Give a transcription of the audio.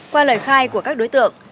qua lời khai của các đối tượng